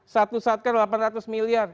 satu satka delapan ratus miliar